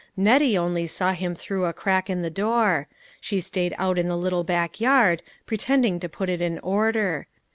Nettie only saw him through a crack in the door ; she stayed out in the little back yard, pretending to put it in order.